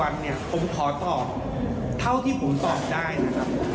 ท่านพลเอกประวิทย์วงศุวรรณผมขอตอบเท่าที่ผมตอบได้นะครับ